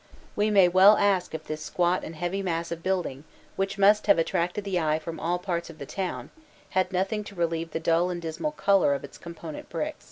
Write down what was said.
We may well ask if this squat and heavy mass of building, which must have attracted the eye from all parts of the town, had nothing to relieve the dull and dismal colour of its component bricks.